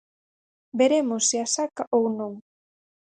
Veremos se a saca ou non.